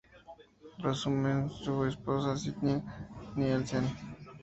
Rasmussen y su esposa, Stine Nielsen.